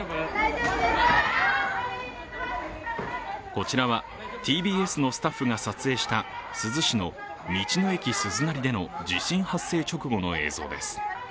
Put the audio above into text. こちらはＴＢＳのスタッフが撮影した珠洲市の道の駅すずなりでの地震発生直後の映像です。